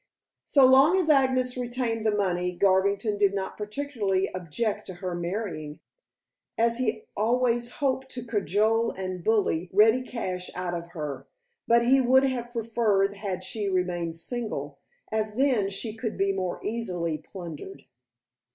So long as Agnes retained the money, Garvington did not particularly object to her marrying, as he always hoped to cajole and bully ready cash out of her, but he would have preferred had she remained single, as then she could be more easily plundered.